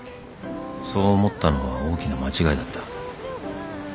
［そう思ったのは大きな間違いだった］